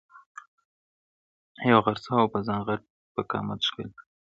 یو غرڅه وو په ځان غټ په قامت ښکلی -